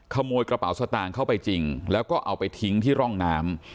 ขโมยกระเป๋าสตางค์เข้าไปจริงแล้วก็เอาไปทิ้งที่ร่องน้ำ